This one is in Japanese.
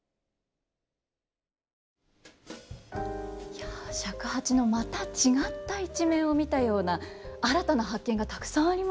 いや尺八のまた違った一面を見たような新たな発見がたくさんありました。